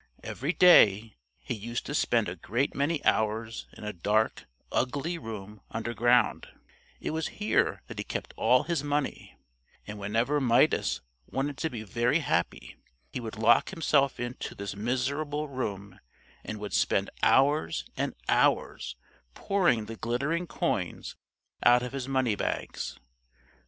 Every day he used to spend a great many hours in a dark, ugly room underground: it was here that he kept all his money, and whenever Midas wanted to be very happy he would lock himself into this miserable room and would spend hours and hours pouring the glittering coins out of his money bags.